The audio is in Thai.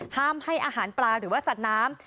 ห้ามให้อาหารปลาหรือว่าสัตว์น้ำ